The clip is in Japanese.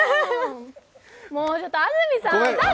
もう、ちょっと安住さん！